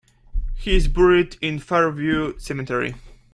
He is buried in Fairview Cemetery.